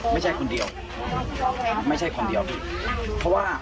ไม่ใช่คนเดียว